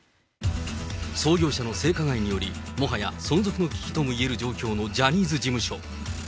創業者の性加害により、もはや存続の危機ともいえる状況のジャニーズ事務所。